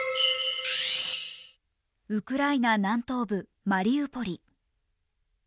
ウクライナ南東部マリウポリ。